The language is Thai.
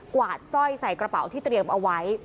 วาดสร้อยใส่กระเป๋าที่เตรียมเอาไว้